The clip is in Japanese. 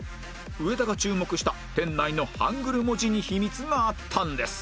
上田が注目した店内のハングル文字に秘密があったんです